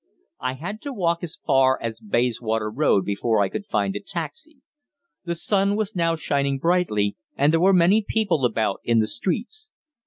I had to walk as far as Bayswater Road before I could find a taxi. The sun was now shining brightly, and there were many people about in the streets.